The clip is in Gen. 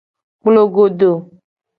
Kplogodo.